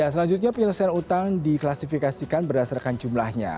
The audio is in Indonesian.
selanjutnya penyelesaian utang diklasifikasikan berdasarkan jumlahnya